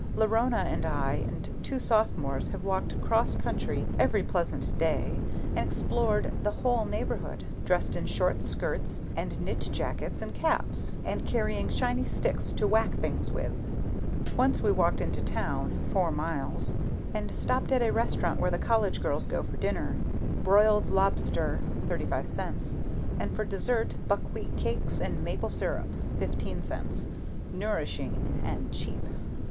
Leonora and I and two Sophomores have walked 'cross country every pleasant day and explored the whole neighbourhood, dressed in short skirts and knit jackets and caps, and carrying shiny sticks to whack things with. Once we walked into town four miles and stopped at a restaurant where the college girls go for dinner. Broiled lobster (35 cents), and for dessert, buckwheat cakes and maple syrup (15 cents). Nourishing and cheap.